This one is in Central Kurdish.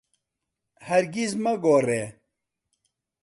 هەرگیز مەگۆڕێ.